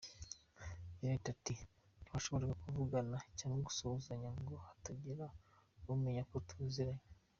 Genet ati “Ntitwashoboraga kuvugana cyangwa gusuhuzanya ngo hatagira umenya ko tuzi ranye.